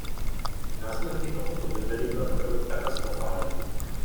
Následky tohoto by byly pro Evropu katastrofální.